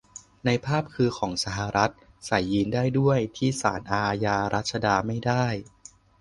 ในภาพคือของสหรัฐ ใส่ยีนส์ได้ด้วย ที่ศาลอาญารัชดาไม่ได้